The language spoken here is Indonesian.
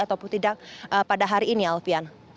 ataupun tidak pada hari ini alfian